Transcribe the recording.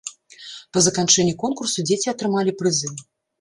Па заканчэнні конкурсу дзеці атрымалі прызы.